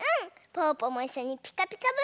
ぽぅぽもいっしょに「ピカピカブ！」